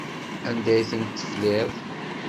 Anda ay ten-tefliḍ?